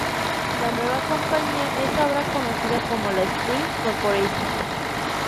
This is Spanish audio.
La nueva compañía es ahora conocida como la Sprint Corporation.